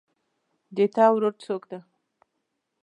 د تا ورور څوک ده